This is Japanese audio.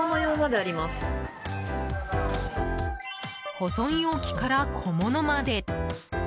保存容器から、小物まで。